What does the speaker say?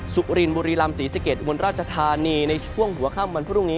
สุรินบุรีลำศรีสะเกดอุบลราชธานีในช่วงหัวค่ำวันพรุ่งนี้